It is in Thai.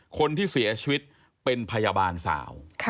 คนที่เสียชีวิตเป็นพยาบาลสาว